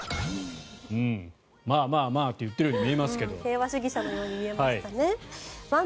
まあ、まあ、まあと言っているように見えましたが。